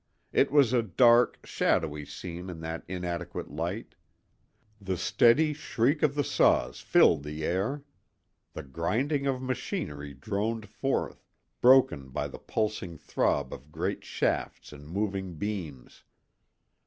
It was a dark, shadowy scene in that inadequate light. The steady shriek of the saws filled the air. The grinding of machinery droned forth, broken by the pulsing throb of great shafts and moving beams.